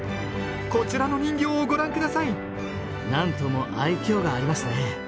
こちらの人形をご覧下さい何とも愛きょうがありますね！